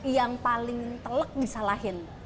yang paling telak disalahin